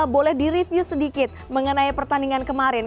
boleh direview sedikit mengenai pertandingan kemarin